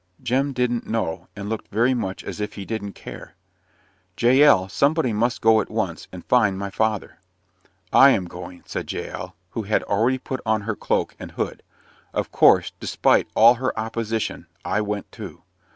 Jem "didn't know," and looked very much as if he didn't care. "Jael, somebody must go at once, and find my father." "I am going," said Jael, who had already put on her cloak and hood. Of course, despite all her opposition, I went too.